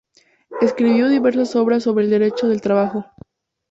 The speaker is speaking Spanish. Escribió diversas obras sobre derecho del trabajo.